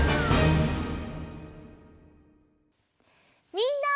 みんな！